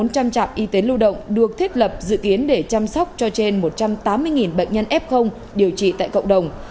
bốn trăm linh trạm y tế lưu động được thiết lập dự kiến để chăm sóc cho trên một trăm tám mươi bệnh nhân f điều trị tại cộng đồng